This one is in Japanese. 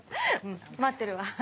待ってるわ。